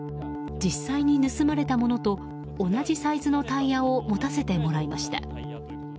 実際に盗まれたものと同じサイズのタイヤを持たせてもらいました。